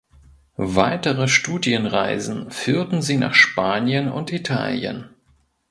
Weitere Studienreisen führten sie nach Spanien und Italien.